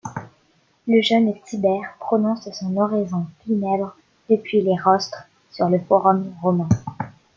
Le jeune Tibère prononce son oraison funèbre depuis les Rostres, sur le Forum Romain.